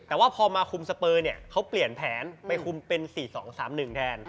แต่ว่าพอมาคุมสเปอร์เนี่ยเขาเปลี่ยนแผนไปคุมเป็น๔๒๓๑แทน